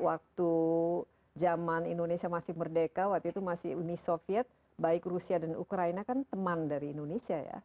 waktu zaman indonesia masih merdeka waktu itu masih uni soviet baik rusia dan ukraina kan teman dari indonesia ya